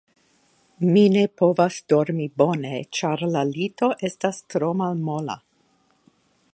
Mi ne povas dormi bone, ĉar la lito estas tro malmola.